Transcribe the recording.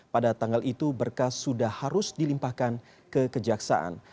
pada tanggal itu berkas sudah harus dilimpahkan kekejaksaan